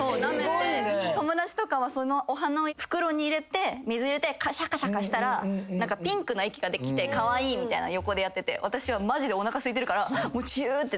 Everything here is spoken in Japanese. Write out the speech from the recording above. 友達とかはそのお花を袋に入れて水入れてシャカシャカしたらピンクの液ができてカワイイみたいな横でやってて私はマジでおなかすいてるからチューってずっと食べてました。